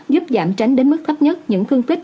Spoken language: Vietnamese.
giúp giảm tránh đến mức thấp nhất những thương tích